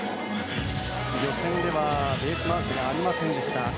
予選ではベースマークがありませんでした。